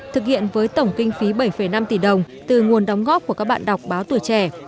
thực hiện với tổng kinh phí bảy năm tỷ đồng từ nguồn đóng góp của các bạn đọc báo tuổi trẻ